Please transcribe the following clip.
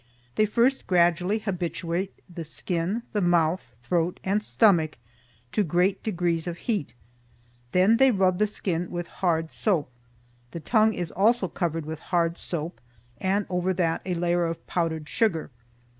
They first gradually habituate the skin, the mouth, throat and stomach to great degrees of heat, then they rub the skin with hard soap. The tongue is also covered with hard soap and over that a layer of powdered sugar.